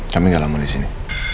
kami gak lama disini